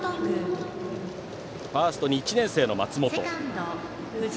ファーストに１年生の松本。